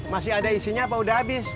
masih ada isinya apa udah habis